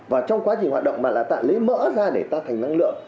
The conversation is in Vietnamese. và trong quá trình hoạt động mà là ta lấy mỡ ra để ta thành năng lượng